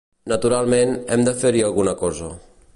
Naturalment, hem de fer-hi alguna cosa.